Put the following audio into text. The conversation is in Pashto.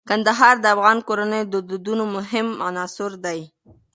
کندهار د افغان کورنیو د دودونو مهم عنصر دی.